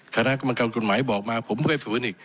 คณะกรรมการกฎหมายบอกมาผมก็ไปฝืนอีก